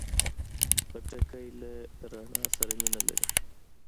خټکی له رڼا سره مینه لري.